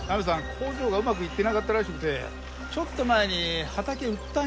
工場がうまくいってなかったらしくてちょっと前に畑売ったんよ。